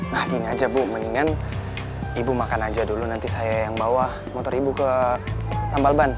nah gini aja bu mendingan ibu makan aja dulu nanti saya yang bawa motor ibu ke tambal ban